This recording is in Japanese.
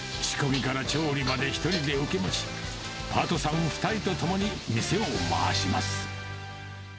仕込みから調理まで１人で受け持ち、パートさん２人と共に店を回します。